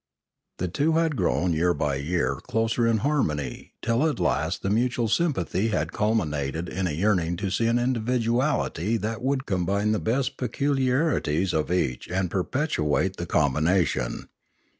The two had grown year by year closer in harmony till at last the mutual sympathy had culminated in a yearning to see an individuality that would combine the best peculiarities of each and perpetuate the combin ation.